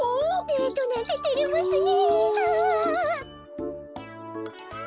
デートなんててれますね。